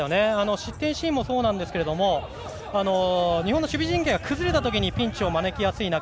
失点シーンもそうなんですけど日本の守備陣形が崩れたときピンチを招きやすい中